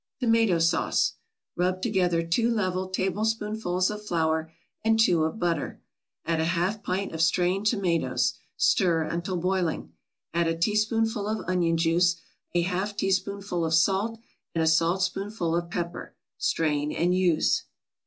TOMATO SAUCE Rub together two level tablespoonfuls of flour and two of butter. Add a half pint of strained tomatoes. Stir until boiling. Add a teaspoonful of onion juice, a half teaspoonful of salt and a saltspoonful of pepper. Strain and use.